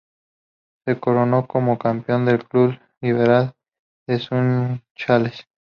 Se coronó como campeón el club Libertad de Sunchales.